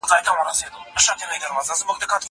زه هره ورځ سفر کوم!.